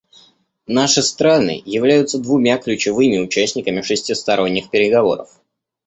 Наши страны являются двумя ключевыми участниками шестисторонних переговоров.